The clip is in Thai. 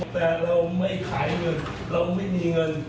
แต่เราไม่ขายเงินเราไม่มีเงิน